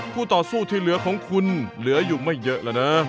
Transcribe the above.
ต่อสู้ที่เหลือของคุณเหลืออยู่ไม่เยอะแล้วนะ